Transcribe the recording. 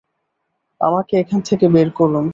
আমাকে এখান থেকে বের করুন।